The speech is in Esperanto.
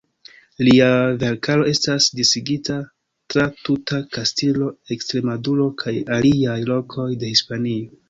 Lia verkaro estas disigita tra tuta Kastilio, Ekstremaduro kaj aliaj lokoj de Hispanio.